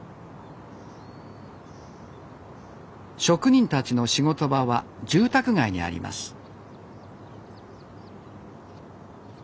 職人たちの仕事場は住宅街にあります